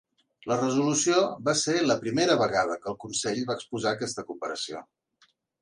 La resolució va ser la primera vegada que el Consell va exposar aquesta cooperació.